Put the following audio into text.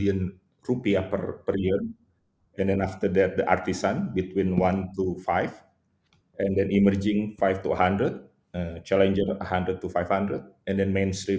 jadi saya pikir kita sangat tertarik dengan orang orang atau sebagian